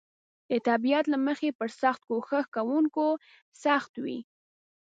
د طبیعت له مخې پر سخت کوښښ کونکو سخت وي.